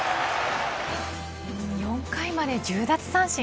４回まで１０奪三振